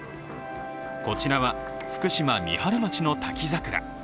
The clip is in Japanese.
こちらは福島・三春町の滝桜。